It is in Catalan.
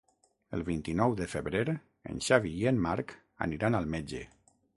El vint-i-nou de febrer en Xavi i en Marc aniran al metge.